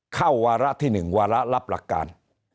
เข้าวาระที่หนึ่งวาระลับหลักการ